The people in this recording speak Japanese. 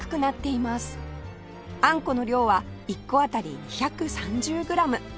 あんこの量は１個あたり２３０グラム